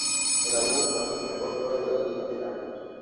El álbum entró en el primer puesto de las listas británicas.